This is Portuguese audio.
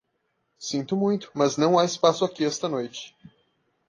Sinto muito, mas não há espaço aqui esta noite.